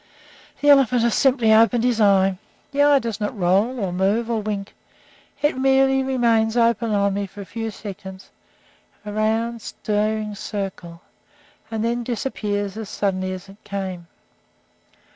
The elephant has simply opened his eye. The eye does not roll, or move, or wink. It merely remains open on me for a few seconds, a round, staring circle, and then disappears as suddenly as it came.